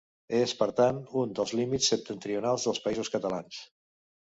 És, per tant, un dels límits septentrionals dels Països Catalans.